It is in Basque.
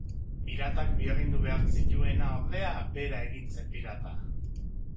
Piratak birrindu behar zituena, ordea, bera egin zen pirata.